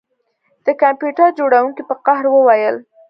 د کمپیوټر جوړونکي په قهر وویل